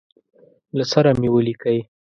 له سره مي ولیکی.